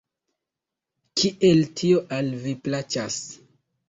Kiel tio al vi plaĉas?